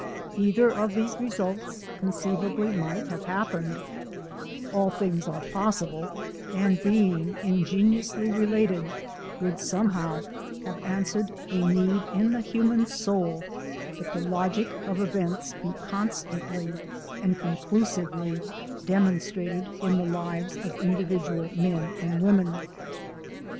Either of these results conceivably might have happened all things are possible and being ingeniously related would somehow have answered a need in the human soul that the logic of events be constantly and conclusively demonstrated in the lives of individual men and women.